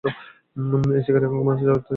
এই শিকারীর এখন ঘুমাতে যাওয়া উচিত।